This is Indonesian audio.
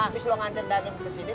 tis lu nganter dalem ke sini